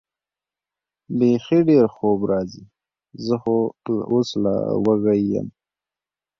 بېخي ډېر خوب راځي، زه خو اوس لا وږی یم.